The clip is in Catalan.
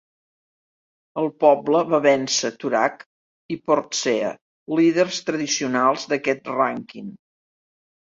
El poble va vèncer Toorak i Portsea, líders tradicionals d'aquest rànquing.